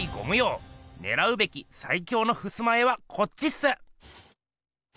ねらうべきさい強のふすま絵はこっちっす！